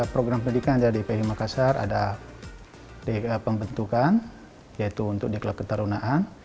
program pendidikan di pip makassar ada di pembentukan yaitu untuk diklat keterunaan